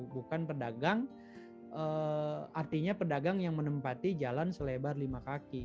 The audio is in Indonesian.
bukan pedagang artinya pedagang yang menempati jalan selebar lima kaki